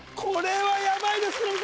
これはやばいです